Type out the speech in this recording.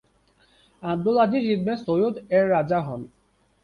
Abdul Aziz ibn Saud এর রাজা হন।